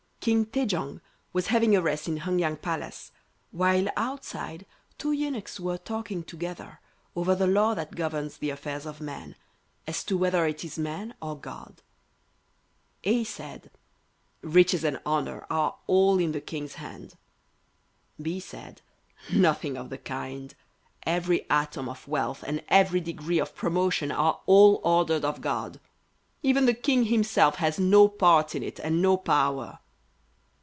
King Tai jong was having a rest in Heung yang Palace, while outside two eunuchs were talking together over the law that governs the affairs of men, as to whether it is man or God. A said, "Riches and honour are all in the king's hand." B said, "Nothing of the kind; every atom of wealth and every degree of promotion are all ordered of God. Even the king himself has no part in it and no power."